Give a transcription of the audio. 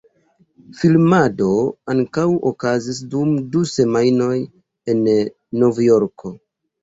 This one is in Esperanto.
Filmado ankaŭ okazis dum du semajnoj en Novjorko.